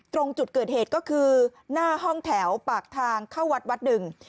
ตรงจุดเกิดเหตุก็คือหน้าห้องแถวปากทางเข้าวัดวัดหนึ่ง